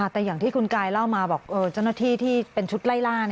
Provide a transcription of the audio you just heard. แต่อย่างที่คุณกายเล่ามาบอกเจ้าหน้าที่ที่เป็นชุดไล่ล่า